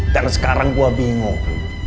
dan sekarang gue bingung